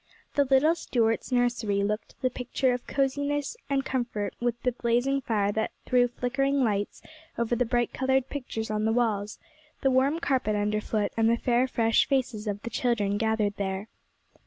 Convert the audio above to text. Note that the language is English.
The little Stuarts' nursery looked the picture of cosiness and comfort with the blazing fire that threw flickering lights over the bright coloured pictures on the walls, the warm carpet under foot, and the fair fresh faces of the children gathered there.